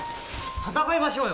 戦いましょうよ。